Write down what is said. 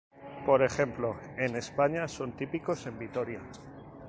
Por ejemplo en España son típicos en Vitoria.